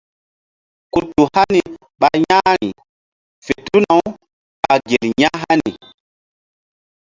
Ku tu hani ɓa ƴa̧h ri fe tuna-u ɓa gel ƴah hani.